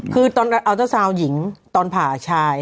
คือตอนอัลเตอร์ซาวน์หญิงตอนผ่าชาย